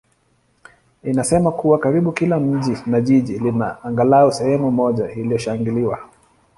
anasema kuwa karibu kila mji na jiji lina angalau sehemu moja iliyoshangiliwa.